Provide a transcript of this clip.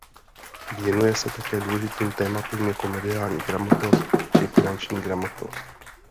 Věnuje se také důležitým tématům jako mediální gramotnost či finanční gramotnost.